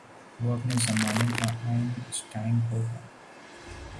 وہ اپنے زمانے کا آئن سٹائن ہو گا۔